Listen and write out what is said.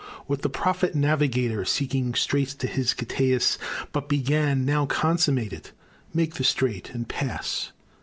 What the prophet navigator, Seeking straits to his Catais, But began, now consummate it Make the strait and pass.